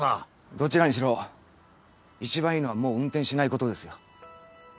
どちらにしろ一番いいのはもう運転しないことですよ。